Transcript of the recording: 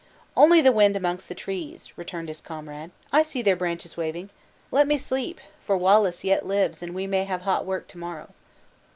"Only the wind amongst the trees," returned his comrade; "I see their branches waving. Let me sleep; for Wallace yet lives, and we may have hot work to morrow."